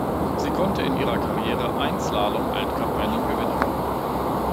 Sie konnte in ihrer Karriere ein Slalom-Weltcuprennen gewinnen.